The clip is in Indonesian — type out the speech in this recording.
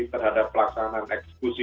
terhadap pelaksanaan eksekusi